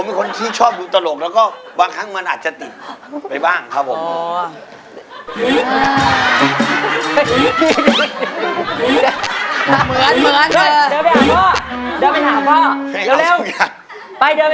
เป็นคนที่ชอบดูตลกแล้วก็บางครั้งมันอาจจะติดไปบ้างครับผม